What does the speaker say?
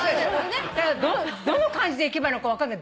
だからどの感じでいけばいいのか分かんない。